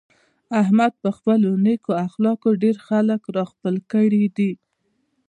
احمد په خپلو نېکو اخلاقو ډېر خلک را خپل کړي دي.